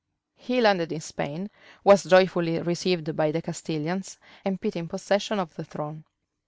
He landed in Spain, was joyfully received by the Castilians, and pit in possession of the throne.